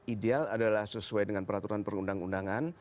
ideal adalah sesuai dengan peraturan perundang undangan